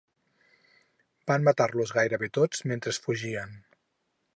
Van matar-los gairebé tots mentre fugien.